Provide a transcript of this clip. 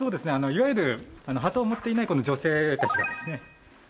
いわゆる旗を持っていないこの女性たちがですね